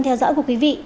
theo dõi của quý vị